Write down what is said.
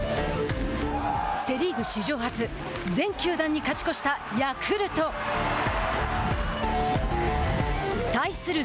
セ・リーグ史上初全球団に勝ち越したヤクルト。対する